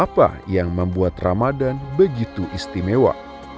apa yang membuat ramadan begitu istimewa